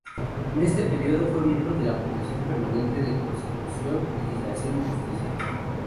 En este período, fue miembro de la comisión permanente de Constitución, Legislación y Justicia.